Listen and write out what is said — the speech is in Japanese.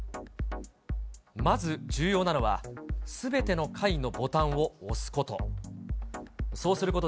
まず、重要なのは、すべての階のボタンを押すこと。